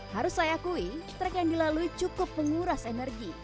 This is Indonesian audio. harus saya akui trek yang dilalui cukup menguras energi